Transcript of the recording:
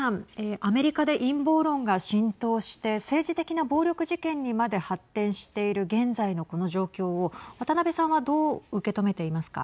アメリカで陰謀論が浸透して政治的な暴力事件にまで発展している現在のこの状況を渡辺さんはどう受け止めていますか。